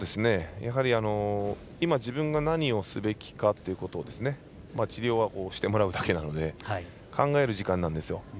やはり今、自分が何をすべきかということを治療をしてもらうだけなので考える時間なんですよ。